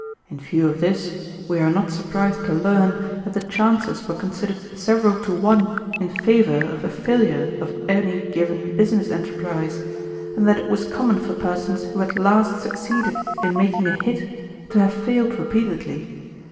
In view of this, we are not surprised to learn that the chances were considered several to one in favor of the failure of any given business enterprise, and that it was common for persons who at last succeeded in making a hit to have failed repeatedly.